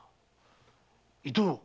伊藤。